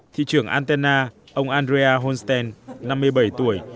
thị trưởng antena ông andrea honstein năm mươi bảy tuổi